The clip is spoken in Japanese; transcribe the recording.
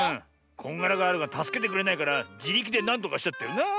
こんがらガールがたすけてくれないからじりきでなんとかしちゃったよなあ。